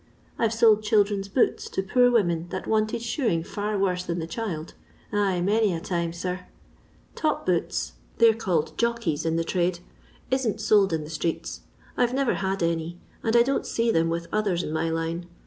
I 've sold children's boots to poor women that wanted shoe ing fiur worse than the child ; aye, many a time, sir. Top boots (they 're called ' Jockeys ' in the trade) isn't sold in the streets. I 've never had any, and I don't see them with others in my line.